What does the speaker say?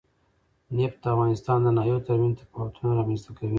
نفت د افغانستان د ناحیو ترمنځ تفاوتونه رامنځ ته کوي.